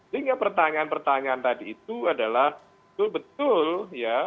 sehingga pertanyaan pertanyaan tadi itu adalah betul betul ya